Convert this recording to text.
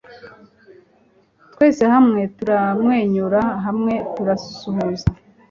twese hamwe turamwenyura, hamwe turasuhuza